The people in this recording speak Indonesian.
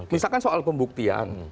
misalkan soal pembuktian